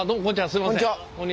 すいません。